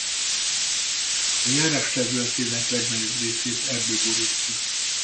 A járás területének legnagyobb részét erdő borítja.